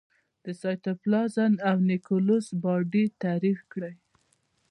د سایتوپلازم او نیوکلیوس باډي تعریف کړي.